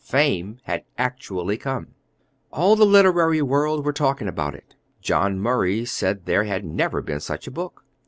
Fame had actually come. All the literary world were talking about it. John Murray said there had never been such a book.